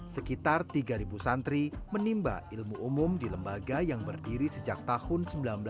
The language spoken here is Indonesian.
sekitar tiga santri menimba ilmu umum di lembaga yang berdiri sejak tahun seribu sembilan ratus sembilan puluh